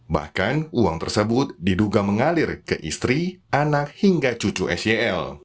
bahkan uang tersebut diduga mengalir ke istri anak hingga cucu syl